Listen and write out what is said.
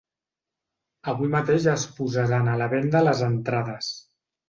Avui mateix es posaran a la venda les entrades.